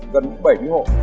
gần bảy mươi hộ